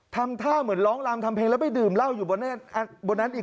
ทำท่าเหมือนร้องลามทำเพลงแล้วไปดื่มเหล้าอยู่บนนั้นอีก